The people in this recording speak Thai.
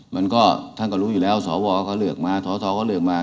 มันก็ท่านก็รู้อยู่แล้วสวก็เลือกมาสอสอก็เลือกมา